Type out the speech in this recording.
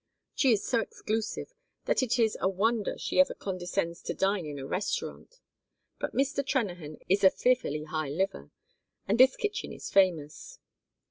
She is so exclusive that it is a wonder she ever condescends to dine in a restaurant; but Mr. Trennahan is a fearfully high liver, and this kitchen is famous.